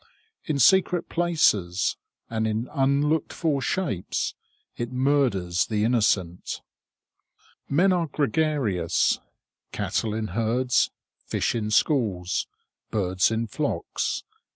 In secret places and in unlooked for shapes it murders the innocent. Men are gregarious. Cattle in herds. Fish in schools. Birds in flocks.